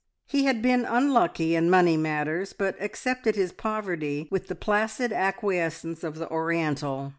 He had been unlucky in money matters, but accepted his poverty with the placid acquiescence of the Oriental.